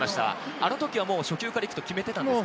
あの時は初球から行くと決めてたんですか？